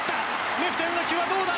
レフトへの打球はどうだ！